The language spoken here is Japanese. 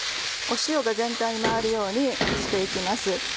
塩が全体に回るようにして行きます。